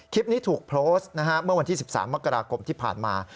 คลิปนี้ถูกโพสต์นะฮะเมื่อวันที่๑๓มกราคมที่ผ่านมา